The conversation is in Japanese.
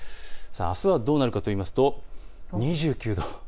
あすはどうなるかといいますと２９度。